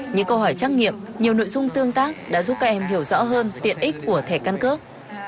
những câu hỏi trắc nghiệm nhiều nội dung tương tác đã giúp các em hiểu rõ hơn tiện ích của thẻ căn cước